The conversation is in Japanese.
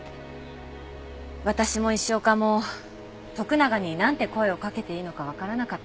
私も石岡も徳永になんて声をかけていいのかわからなかった。